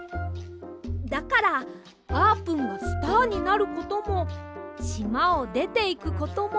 だからあーぷんがスターになることもしまをでていくこともありません！